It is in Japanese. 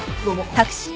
どうも。